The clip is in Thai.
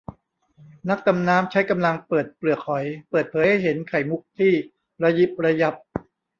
นักดำน้ำใช้กำลังเปิดเปลือกหอย เปิดเผยให้เห็นไข่มุกที่ระยิบระยับ